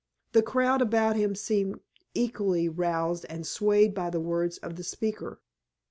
The crowd about him seemed equally roused and swayed by the words of the speaker.